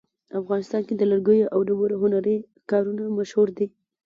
افغانستان کې د لرګیو او ډبرو هنري کارونه مشهور دي